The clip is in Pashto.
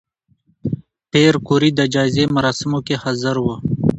پېیر کوري د جایزې مراسمو کې حاضر و.